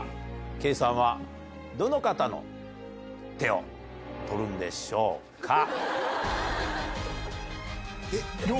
ケイさんはどの方の手を取るんでしょうか。